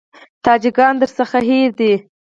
تاجکان درڅخه هېر دي.